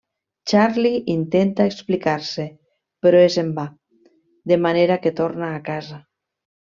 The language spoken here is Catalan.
Charlie intenta explicar-se, però és en va, de manera que torna a casa.